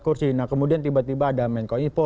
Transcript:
kursi nah kemudian tiba tiba ada menkom info